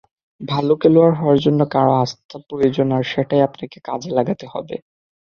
ভালো খেলোয়াড় হওয়ার জন্য কারো আস্থা প্রয়োজন আর সেটাই আপনাকে কাজে লাগাতে হবে।